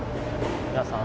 皆さん